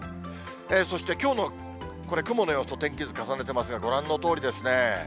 そしてきょうの、これ雲の様子、天気図重ねてますが、ご覧のとおりですね。